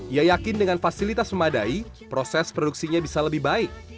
ia yakin dengan fasilitas memadai proses produksinya bisa lebih baik